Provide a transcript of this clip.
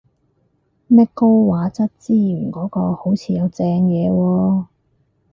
咩高畫質資源嗰個好似有正嘢喎